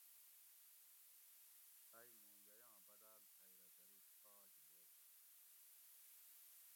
ائ موں ییاں بداۤل تھئ رہ دروش آج لیس